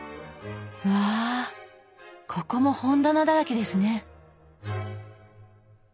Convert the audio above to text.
うわぁここも本棚だらけですね！